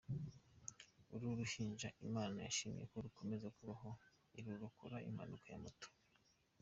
Uru ruhinja Imana yashimye ko rukomeza kubaho ,irurokora impanuka ya Moto.